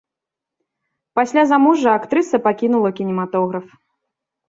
Пасля замужжа актрыса пакінула кінематограф.